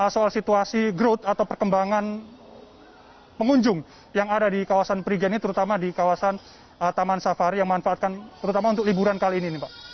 soal situasi growth atau perkembangan pengunjung yang ada di kawasan prigen ini terutama di kawasan taman safari yang memanfaatkan terutama untuk liburan kali ini pak